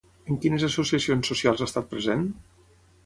En quines associacions socials ha estat present?